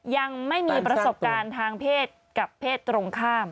ยังไม่มีประสบการณ์ทางเพศกับเพศตรงข้าม